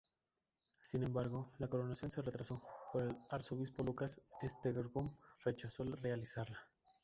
Sin embargo, la coronación se retrasó, porque el arzobispo Lucas de Esztergom rechazó realizarla.